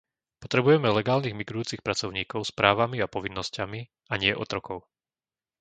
Potrebujeme legálnych migrujúcich pracovníkov s právami a povinnosťami, a nie otrokov.